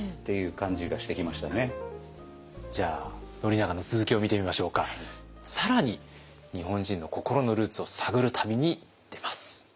更に日本人の心のルーツを探る旅に出ます。